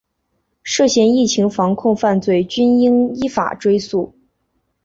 涉嫌疫情防控犯罪均应依法追诉